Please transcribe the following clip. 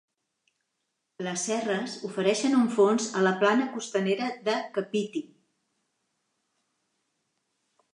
Les serres ofereixen un fons a la plana costanera de Kapiti.